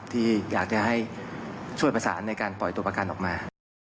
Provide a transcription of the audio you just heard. ที่อยากจะให้ช่วยประสานในการปล่อยตัวประกันออกมา